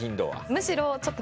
むしろ。